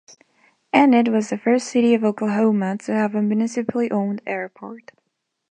Enid was the first city of Oklahoma to have a municipally owned airport.